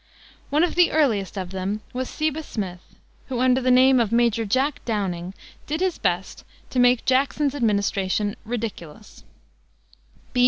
One of the earliest of them was Seba Smith, who, under the name of Major Jack Downing, did his best to make Jackson's administration ridiculous.